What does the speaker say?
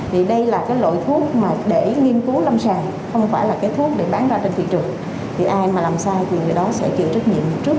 vì đây là cái loại thuốc mà để nghiên cứu lâm sàng không phải là cái thuốc để bán ra trên thị trường